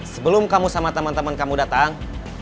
sebelum kamu sama temen temen kamu datang